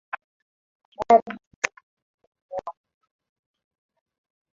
bari ya ndugu kuufukua mwili wa babake